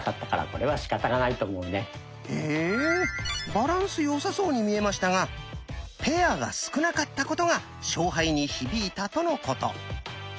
バランスよさそうに見えましたがペアが少なかったことが勝敗に響いたとのこと。